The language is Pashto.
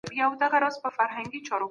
چېري د بشریت ضد جنایتونو محاکمه کیږي؟